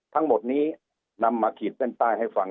วันนี้นำมาขีดเป้นใต้ให้ฟัง